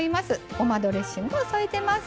ごまドレッシングをあえてます。